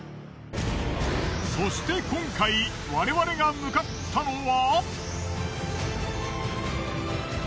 そして今回我々が向かったのは。